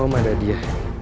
oh mana dia